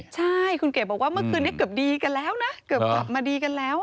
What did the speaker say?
ใช่คุณเกดบอกว่าเมื่อคืนนี้เกือบดีกันแล้วนะเกือบกลับมาดีกันแล้ว